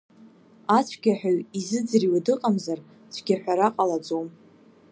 Ацәгьаҳәаҩ изыӡырҩуа дыҟамзар, цәгьаҳәара ҟалаӡом.